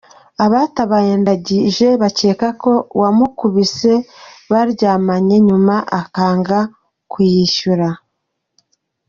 Abatabaye Ndagije bakeka ko uwamukubise baryamanye nyuma akanga kuyishyura.